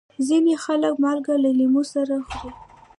ځینې خلک مالګه له لیمو سره خوري.